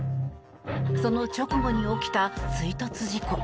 その直後に起きた追突事故。